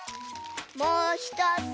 もうひとつ。